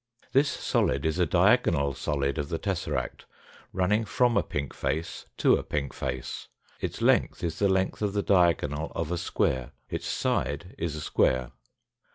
This solid is a diagonal solid of the tesseract, running from a pink face to a pink face. Its length is the length of the diagonal of a square, its side is a square.